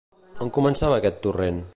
On començava aquest torrent?